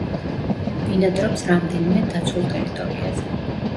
ბინადრობს რამდენიმე დაცულ ტერიტორიაზე.